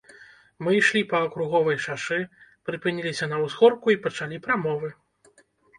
Мы ішлі па акруговай шашы, прыпыніліся на ўзгорку і пачалі прамовы.